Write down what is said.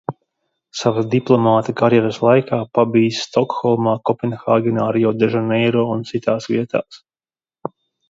Savas diplomāta karjeras laikā pabijis Stokholmā, Kopenhāgenā, Riodežaneiro un citās vietās.